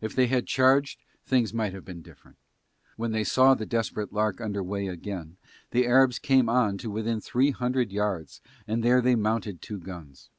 If they had charged things might have been different. When they saw the Desperate Lark under way again the Arabs came on to within three hundred yards and there they mounted two guns.